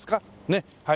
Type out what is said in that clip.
ねっはい。